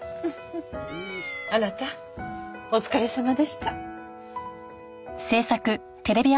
あなたお疲れさまでした。